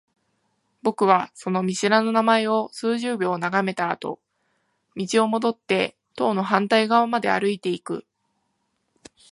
僕はその見知らぬ名前を数十秒眺めたあと、道を戻って棟の反対側まで歩いていく。